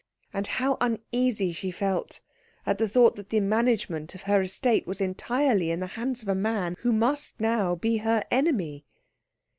And how uneasy she felt at the thought that the management of her estate was entirely in the hands of a man who must now be her enemy.